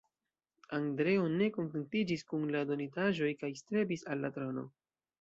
Andreo ne kontentiĝis kun la donitaĵoj kaj strebis al la trono.